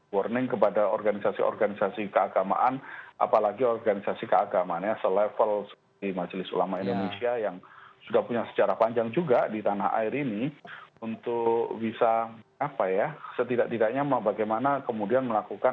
warning kepada organisasi organisasi keagamaan apalagi organisasi keagamaannya selevel seperti majelis ulama indonesia yang sudah punya sejarah panjang juga di tanah air ini untuk bisa setidak tidaknya bagaimana kemudian melakukan